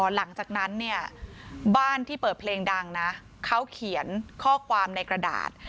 หลังจากนั้นเนี่ยบ้านที่เปิดเพลงดังนะเขาเขียนข้อความในกระดาษ